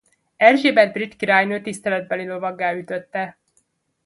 Erzsébet brit királynő tiszteletbeli lovaggá ütötte.